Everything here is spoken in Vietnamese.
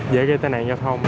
dễ gây tai nạn giao thông